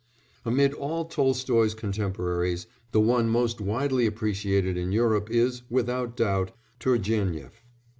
Amid all Tolstoy's contemporaries the one most widely appreciated in Europe is, without doubt, Turgénief.